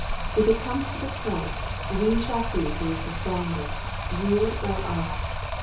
If it comes to the point, we shall see who is the stronger, you or I."